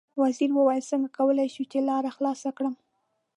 وزیر وویل: څنګه کولای شم چې لاره خلاصه کړم.